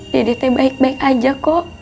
dedeh teh baik baik aja kok